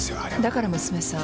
だから娘さん。